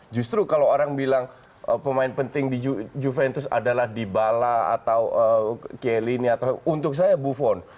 justru kalau orang bilang pemain penting di juventus adalah dybala atau kelini atau untuk saya buffon